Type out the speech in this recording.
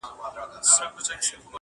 بیرته یوسه خپل راوړي سوغاتونه-